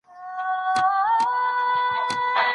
ولې کورني شرکتونه خوراکي توکي له ازبکستان څخه واردوي؟